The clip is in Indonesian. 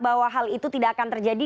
bahwa hal itu tidak akan terjadi